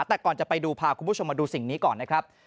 แต่ก่อนจะไปดูพาคุณผู้ชมมาดูสิ่งนี้ก่อนนะครับ